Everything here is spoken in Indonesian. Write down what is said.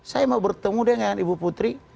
saya mau bertemu dengan ibu putri